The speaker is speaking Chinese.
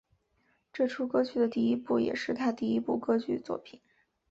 这出歌剧的第一部也是他第一部歌剧作品。